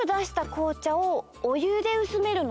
こうちゃをおゆでうすめるの？